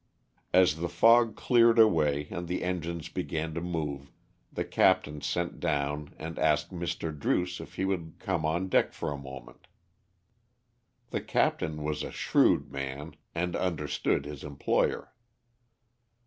As the fog cleared away and the engines began to move, the captain sent down and asked Mr. Druce if he would come on deck for a moment. The captain was a shrewd man, and understood his employer.